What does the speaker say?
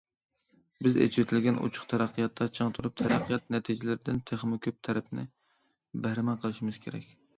بىز ئېچىۋېتىلگەن، ئوچۇق تەرەققىياتتا چىڭ تۇرۇپ، تەرەققىيات نەتىجىلىرىدىن تېخىمۇ كۆپ تەرەپنى بەھرىمەن قىلىشىمىز كېرەك.